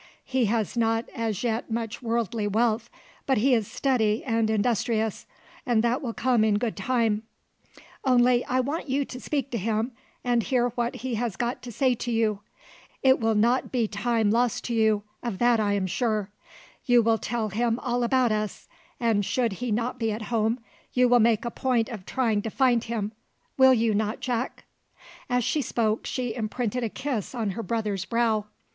He has not as yet much worldly wealth, but he is steady and industrious, and that will come in good time; only I want you to speak to him, and hear what he has got to say to you. It will not be time lost to you: of that I am sure. You will tell him all about us, and should he not be at home, you will make a point of trying to find him, will you not, Jack?" As she spoke, she imprinted a kiss on her brother's brow.